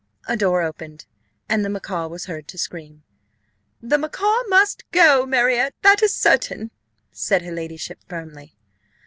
A door opened, and the macaw was heard to scream. "The macaw must go, Marriott, that is certain," said her ladyship, firmly.